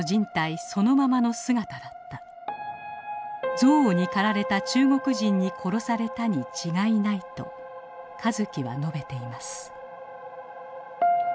憎悪に駆られた中国人に殺されたに違いない」と香月は述べています。